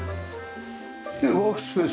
でワークスペース